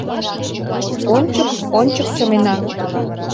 Ончык, ончык чымена.